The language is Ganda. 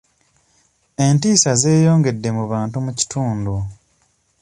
Entiisa zeyongedde mu bantu mu kitundu.